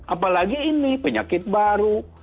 apalagi ini penyakit baru